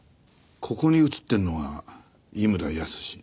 ここに写ってるのが井村泰。